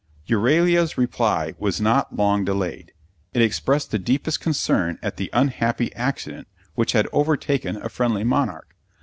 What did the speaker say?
Euralia's reply was not long delayed. It expressed the deepest concern at the unhappy accident which had overtaken a friendly monarch.